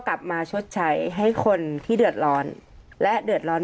มาชดใช้ให้คนที่เดือดร้อนและเดือดร้อน